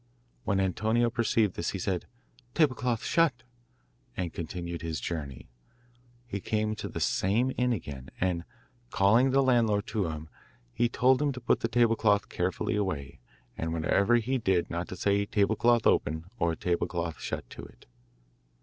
When Antonio perceived this he said, 'Table cloth, shut,' and continued his journey. He came to the same inn again, and calling the landlord to him, he told him to put the table cloth carefully away, and whatever he did not to say 'Table cloth, open,' or 'Table cloth, shut,' to it.